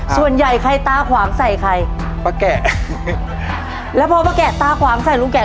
ส่วนใหญ่ใครตาขวางใส่ใครป้าแกะแล้วพอป้าแกะตาขวางใส่ลุงแกะ